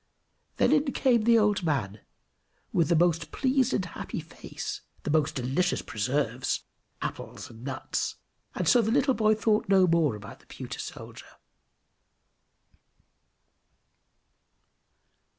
Then in came the old man with the most pleased and happy face, the most delicious preserves, apples, and nuts, and so the little boy thought no more about the pewter soldier.